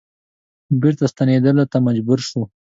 بیرته ستنیدلو ته مجبور شو.